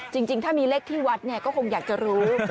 จริงถ้ามีเลขที่วัดเนี่ยก็คงอยากจะรู้